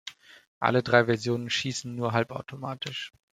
Alle drei Versionen schießen nur halbautomatisch.